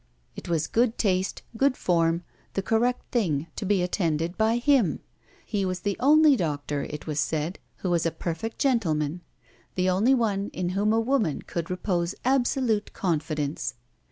It was good taste, good form, the correct thing, to be attended by him. He was the only doctor, it was said, who was a perfect gentleman the only one in whom a woman could repose absolute confidence.